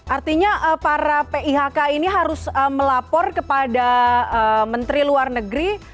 artinya para pihk ini harus melapor kepada menteri luar negeri